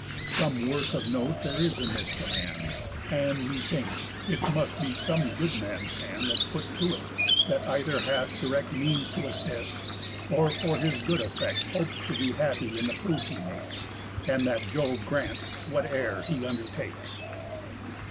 Some worth of note there is in this command; And, methinks, it must be some good man's hand That's put to it, that either hath direct Means to assist, or, for his good affect, Hopes to be happy in the proof he makes; And that Jove grant, whate'er he undertakes."